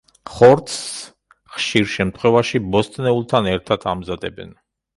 ხორცს, ხშირ შემთხვევაში, ბოსტნეულთან ერთად ამზადებენ.